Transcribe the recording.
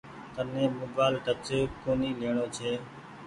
تن ني موبآئيل ٽچ ڪونيٚ ليڻو ڇي۔